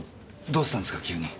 どうしたんですか急に？